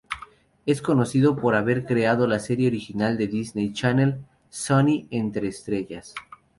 Es conocido por haber creado la Serie Original de Disney Channel: "Sunny, entre Estrellas".